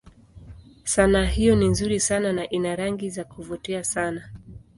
Sanaa hiyo ni nzuri sana na ina rangi za kuvutia sana.